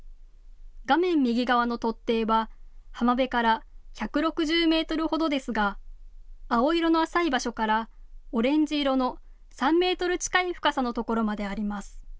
画面右側の突堤は、浜辺から１６０メートルほどですが青色の浅い場所からオレンジ色の３メートル近い深さのところまであります。